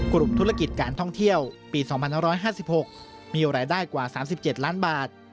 กลุ่มธุรกิจการท่องเที่ยวปี๒๕๕๖มีรายได้กว่า๓๗ล้านบาท